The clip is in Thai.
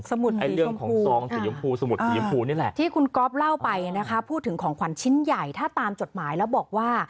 เรื่องของซองสีชมพูสมุดสีชมพูนี้แหละที่คุณก๊อฟเล่าไปนะคะ